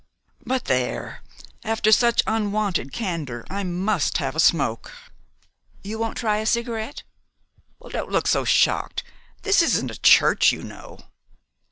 But there! After such unwonted candor I must have a smoke. You won't try a cigarette? Well, don't look so shocked. This isn't a church, you know."